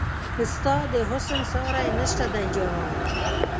ستا د حسن ساری نشته دی جانانه